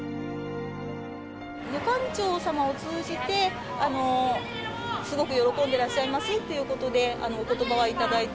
女官長さまを通じてすごく喜んでいらっしゃいますっていうことでお言葉は頂いてました。